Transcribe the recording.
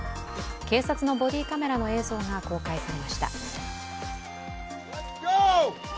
警察のボディーカメラの映像が公開されました。